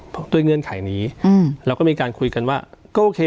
เพราะด้วยเงื่อนไขนี้เราก็มีการคุยกันว่าก็โอเค